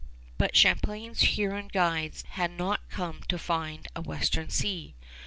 But Champlain's Huron guides had not come to find a Western Sea.